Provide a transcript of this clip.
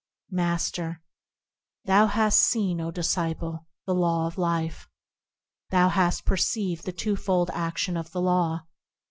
Master. Thou hast seen, O disciple, the Law of Life ; Thou hast perceived the twofold action of the Law.